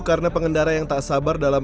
karena pengendara yang tak sabar dalam